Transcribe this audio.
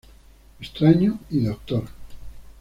Extraño y Dr.